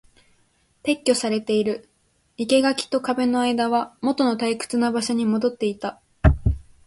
撤去されている。生垣と壁の間はもとの退屈な場所に戻っていた。